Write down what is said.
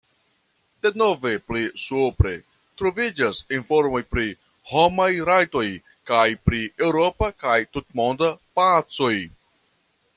Denove pli supre troviĝas informoj pri homaj rajtoj kaj pri eŭropa kaj tutmonda pacoj.